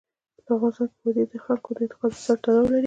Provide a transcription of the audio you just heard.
په افغانستان کې وادي د خلکو د اعتقاداتو سره تړاو لري.